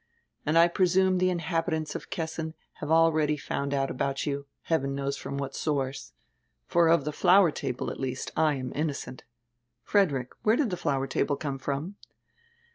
And I presume the inhabitants of Kessin have already found out about you, heaven knows from what source. For of die flower table, at least, I am innocent. Frederick, where did die flower table come from?"